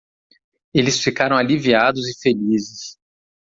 Eles ficaram aliviados e felizes.